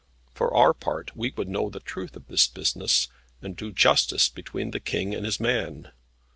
For our part we would know the truth of this business, and do justice between the King and his man.